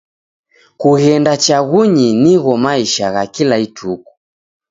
Kughenda chaghunyi nigho maisha gha kila ituku.